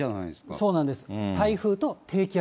そうなんです。